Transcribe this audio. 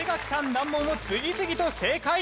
難問を次々と正解。